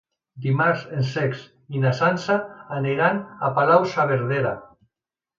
Dimarts en Cesc i na Sança aniran a Palau-saverdera.